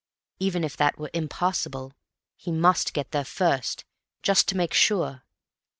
Even if that were impossible, he must get there first, just to make sure.